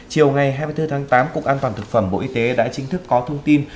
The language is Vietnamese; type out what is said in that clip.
chiều ngày hai mươi bốn tháng tám cục an toàn thực phẩm bộ y tế đã chính thức có thông tin